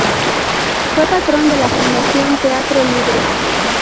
Fue patrón de la Fundación Teatro Libre.